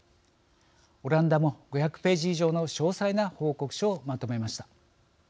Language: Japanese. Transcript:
オランダも、５００ページ以上の詳細な報告書をまとめました。